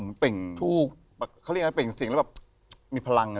เขาเรียกเหมือนเป็นเสียงแล้วมีพลัง